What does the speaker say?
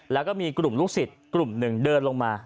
แล้วก็มีกลุ่มลูกศิษย์กลุ่มหนึ่งเดินลงมา